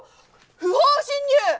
不法侵入！